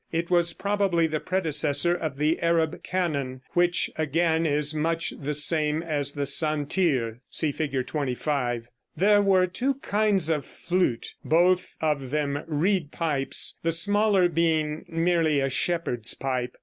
It was probably the predecessor of the Arab canon, which again is much the same as the santir. (See Fig. 25.) There were two kinds of flute, both of them reed pipes, the smaller being merely a shepherd's pipe.